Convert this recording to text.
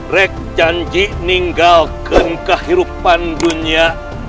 rek janji ninggalkan kehidupan dunia